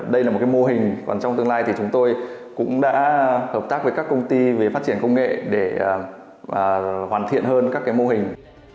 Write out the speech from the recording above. đây là một mô hình còn trong tương lai thì chúng tôi cũng đã hợp tác với các công ty về phát triển công nghệ để hoàn thiện hơn các mô hình